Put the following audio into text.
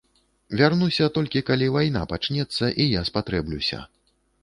Вярнуся, толькі калі вайна пачнецца, і я спатрэблюся.